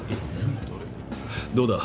どうだ？